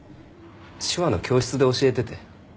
手話の教室で教えてて。